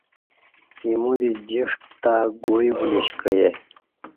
ایمودی جݜٹ تہ گوعی بولیش کعیہ